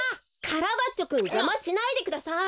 カラバッチョくんじゃましないでください！